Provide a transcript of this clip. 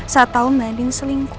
saat tau mbak andin selingkuh